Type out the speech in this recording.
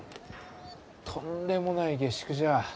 とんでもない下宿じゃ。